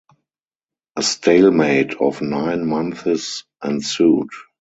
A stalemate of nine months ensued.